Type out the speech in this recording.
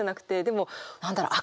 でも何だろう？